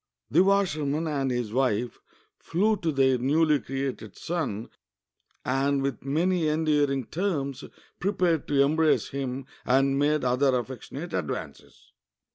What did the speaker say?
The washerman and his wife flew to their newly created son, and with many endear ing terms prepared to embrace him and made other affectionate advances.